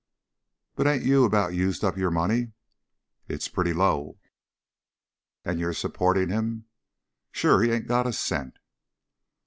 "But ain't you about used up your money?" "It's pretty low." "And you're supporting him?" "Sure. He ain't got a cent."